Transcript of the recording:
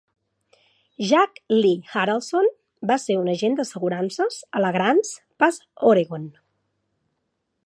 Jack Lee Harelson va ser un agent d'assegurances a la Grants Pass, Oregon.